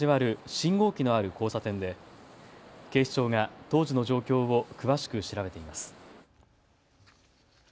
信号機のある交差点で警視庁が当時の状況を詳しく調べています。